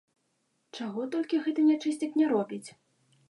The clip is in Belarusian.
Чаго толькі гэты нячысцік не робіць!